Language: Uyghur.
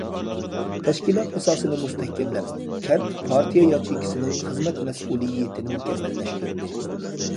تەشكىلات ئاساسىنى مۇستەھكەملەپ، كەنت پارتىيە ياچېيكىسىنىڭ خىزمەت مەسئۇلىيىتىنى مۇكەممەللەشتۈردى.